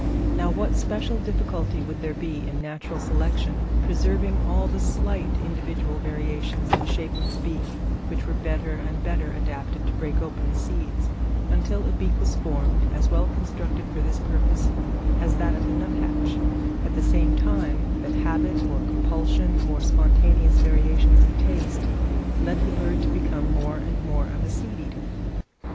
Now what special difficulty would there be in natural selection preserving all the slight individual variations in the shape of the beak, which were better and better adapted to break open the seeds, until a beak was formed, as well constructed for this purpose as that of the nuthatch, at the same time that habit, or compulsion, or spontaneous variations of taste, led the bird to become more and more of a seed eater?